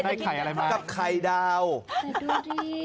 ได้ไข่อะไรมาก